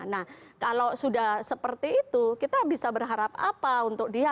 nah kalau sudah seperti itu kita bisa berharap apa untuk dia